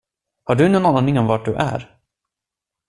Har du nån aning om var du är?